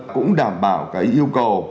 cũng đảm bảo cái yêu cầu